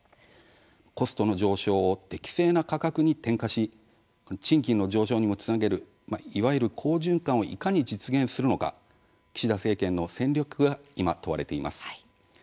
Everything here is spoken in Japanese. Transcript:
コストの上昇を適正な価格に転嫁し、賃金の上昇にもつなげるいわゆる好循環をいかに実現するのか岸田政権の戦略が今、問われています。